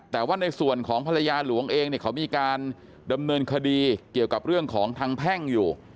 แต่ว่าในส่วนของภรรยาหลวงเองเนี่ยเขามีการดำเนินคดีเกี่ยวกับเรื่องของทางแพ่งอยู่